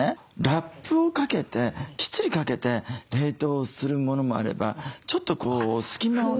ラップをかけてきっちりかけて冷凍するものもあればちょっとこう隙間を。